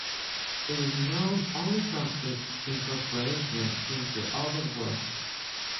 It is known only from its incorporation into other works.